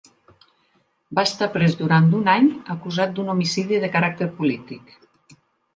Va estar pres durant un any acusat d'un homicidi de caràcter polític.